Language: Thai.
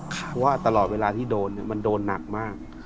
แต่เวลาที่โดนมันโดนนักมาก